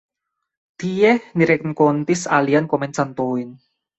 Tie, ni renkontis aliajn komencantojn.